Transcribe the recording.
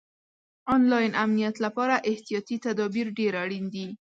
آنلاین امنیت لپاره احتیاطي تدابیر ډېر اړین دي.